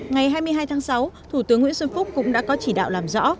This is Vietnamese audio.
ngày hai mươi hai tháng sáu thủ tướng nguyễn xuân phúc cũng đã có chỉ đạo làm rõ